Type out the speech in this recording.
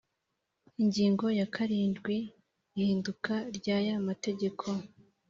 Ingingo ya karindwi Ihinduka ry aya mategeko